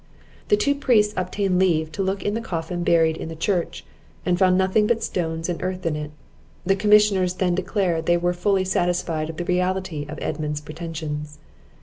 The two priests obtained leave to look in the coffin buried in the church, and found nothing but stones and earth in it. The commissioners then declared they were fully satisfied of the reality of Edmund's pretensions.